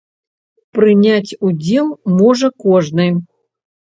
Прыняць удзел можа кожны.